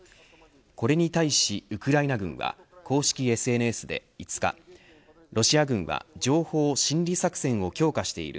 これに対しウクライナ軍は公式ＳＮＳで５日ロシア軍は、情報・心理作戦を強化している。